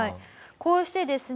こうしてですね